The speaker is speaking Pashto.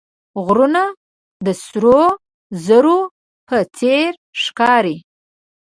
غرونه د سرو زرو په څېر ښکاري